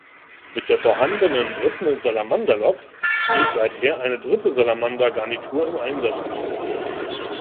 Mit der vorhandenen dritten Salamander Lok, steht seither eine dritte Salamander Garnitur im Einsatz.